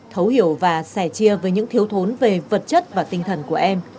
thấu hiểu và sẻ chia với những thiếu thốn về vật chất và tinh thần của em